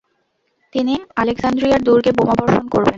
তিনি আলেক্সান্দ্রিয়ার দুর্গে বোমাবর্ষণ করবেন।